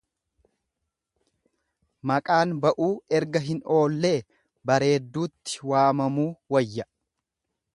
Maqaan ba'uu erga hin oollee bareedduutti waamamuu wayya.